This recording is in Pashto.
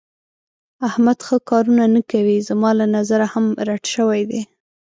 احمد ښه کارونه نه کوي. زما له نظره هم رټ شوی دی.